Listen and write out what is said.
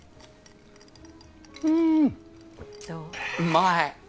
うまい。